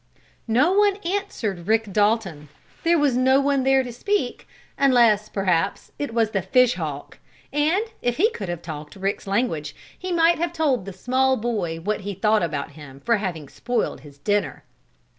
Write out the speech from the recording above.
No one answered Rick Dalton. There was no one there to speak, unless, perhaps, it was the fish hawk, and, if he could have talked Rick's language he might have told the small boy what he thought about him for having spoiled his dinner.